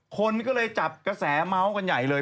คนก็เลยจับกระแสเมาส์กันใหญ่เลย